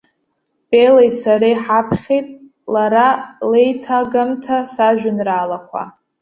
Белеи сареи ҳаԥхьеит лара леиҭагамҭа сажәеинраалақәа.